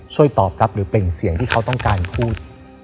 ช่วยตอบรับหรือเป็นเสียงที่เขาต้องการพูด